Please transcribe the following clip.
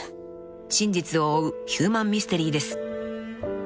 ［真実を追うヒューマンミステリーです］